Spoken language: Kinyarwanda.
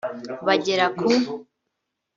bagera ku